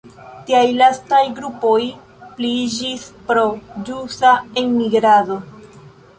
Tiaj lastaj grupoj pliiĝis pro ĵusa enmigrado.